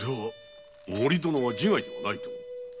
では自害ではないと？